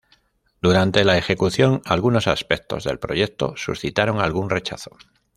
Durante la ejecución algunos aspectos del proyecto suscitaron algún rechazo.